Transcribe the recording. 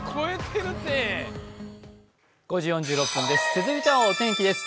続いてはお天気です。